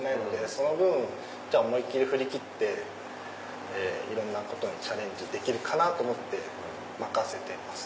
その分思いっ切り振り切っていろんなことにチャレンジできるかなと思って任せてます。